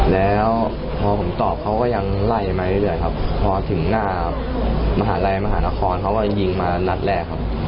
แล้วพอผมตอบเขาก็ยังไล่มาเรื่อยครับพอถึงหน้ามหาลัยมหานครเขาก็ยิงมานัดแรกครับ